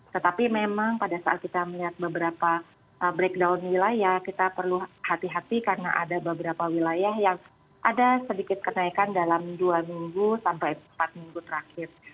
tetapi memang pada saat kita melihat beberapa breakdown wilayah kita perlu hati hati karena ada beberapa wilayah yang ada sedikit kenaikan dalam dua minggu sampai empat minggu terakhir